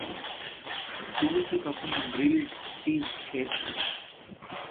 তুমি কি কখনো গ্রীলড চীজ খেয়েছ?